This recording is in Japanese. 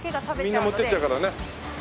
みんな持っていっちゃうからね。